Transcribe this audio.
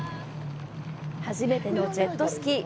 初めてのジェットスキー。